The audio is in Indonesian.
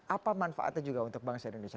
apa manfaatnya juga untuk bangsa indonesia